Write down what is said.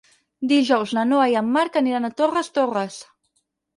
Dijous na Noa i en Marc aniran a Torres Torres.